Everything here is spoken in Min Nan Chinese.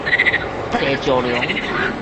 地石龍